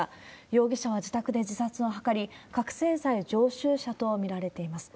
容疑者は自宅で自殺を図り、覚醒剤常習者と見られています。